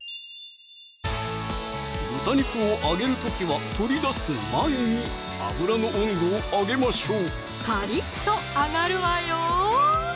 豚肉を揚げる時は取り出す前に油の温度を上げましょうカリッと揚がるわよ